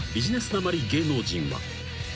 なまり芸能人は］